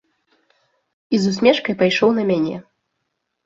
І з усмешкай пайшоў на мяне.